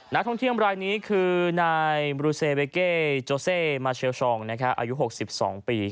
นักท่องเที่ยวรายนี้คือนายบรูเซเวเกโจเซมาเชลซองอายุ๖๒ปี